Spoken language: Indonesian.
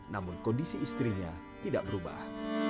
namun kondisi istrinya tidak berubah